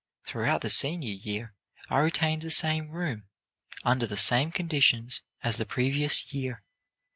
Throughout the senior year I retained the same room, under the same conditions as the previous year.